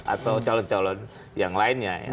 atau calon calon yang lainnya ya